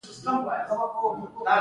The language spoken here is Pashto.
ایا زه باید شنه مرچ وخورم؟